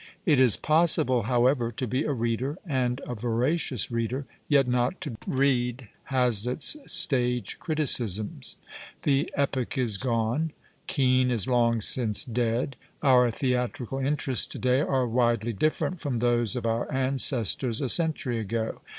It is possible, however, to be a reader, and a voracious reader, yet not to read Hazlitt's stage criticisms. The epoch is gone. Kcan is long since dead. Our theatrical interests to day are widely different from those of our ancestors a century ago.